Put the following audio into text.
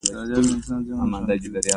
وایي: خدای دې له ټل کسټم نه واړوه.